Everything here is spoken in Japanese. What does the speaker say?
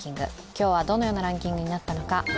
今日はどのようなランキングになったか。